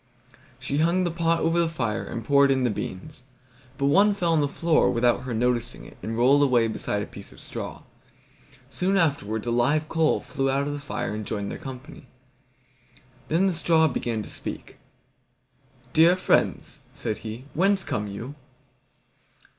She hung the pot over the fire, and poured in the beans; but one fell on to the floor without her noticing it, and rolled away beside a piece of straw. Soon afterwards a live coal flew out of the fire and joined their company. Then the straw began to speak. "Dear friends," said he, "whence come you?"